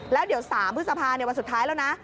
แล้วเดี๋ยว๓พฤษภาวันสุดท้ายแล้วนะ